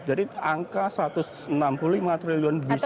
jadi angka satu ratus enam puluh lima triliun bisa